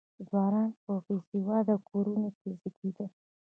ځوانان په بې سواده کورنیو کې زېږېدل.